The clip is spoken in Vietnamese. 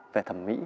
về thẩm mỹ